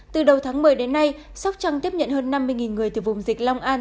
từ đầu tháng một mươi đến nay sóc trăng tiếp nhận hơn năm mươi người từ vùng dịch long an